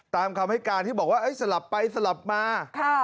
ตามคำให้การที่บอกว่าสลับไปสลับมา